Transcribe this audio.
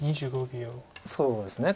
そうですね